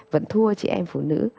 vẫn thua chị em phụ nữ